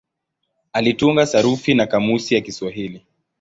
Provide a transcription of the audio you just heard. Alitunga sarufi na kamusi ya Kiswahili.